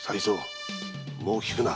もう聞くな。